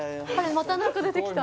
また何か出てきた